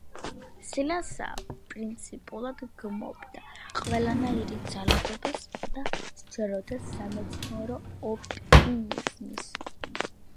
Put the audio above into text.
სილანპაა პრინციპულად გმობდა ყველანაირ ძალადობას და სჯეროდა სამეცნიერო ოპტიმიზმის.